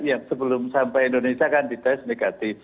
ya sebelum sampai indonesia kan di test negatif